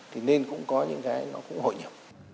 thì nên cũng có những cái nó cũng hội nhập